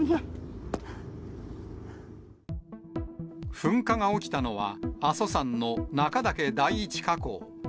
噴火が起きたのは、阿蘇山の中岳第１火口。